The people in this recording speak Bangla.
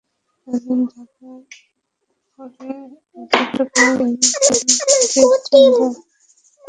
রাজধানী ঢাকার পরে এবারে চট্টগ্রামেও মালয়েশীয় প্রতিষ্ঠান দ্য মেরিনের আবাসন মেলা হয়নি।